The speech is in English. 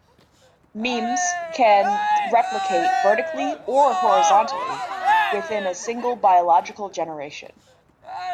Memes can replicate vertically or horizontally within a single biological generation.